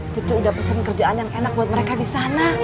cucu udah pesen kerjaan yang enak buat mereka disana